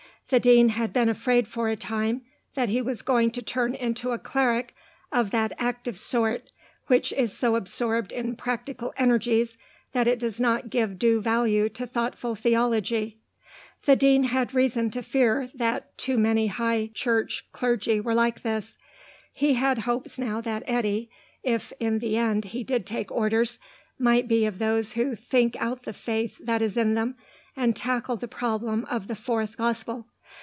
The Dean had been afraid for a time that he was going to turn into a cleric of that active sort which is so absorbed in practical energies that it does not give due value to thoughtful theology. The Dean had reason to fear that too many High Church clergy were like this. But he had hopes now that Eddy, if in the end he did take Orders, might be of those who think out the faith that is in them, and tackle the problem of the Fourth Gospel.